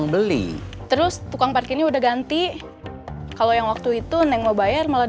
bapak dari tadi duduk di sini aja